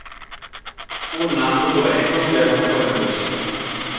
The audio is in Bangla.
ও নামগুলো এখনো ব্যবহার করেন বুঝি?